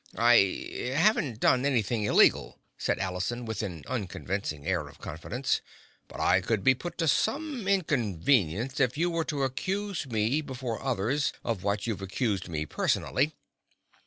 "I—haven't done anything illegal," said Allison, with an unconvincing air of confidence, "but I could be put to some inconvenience if you were to accuse me before others of what you've accused me personally.